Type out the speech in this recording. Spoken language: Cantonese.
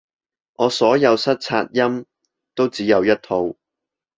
我所有塞擦音都只有一套